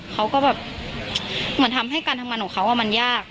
เขาก็แบบเหมือนทำให้การทำงานของเขามันยาก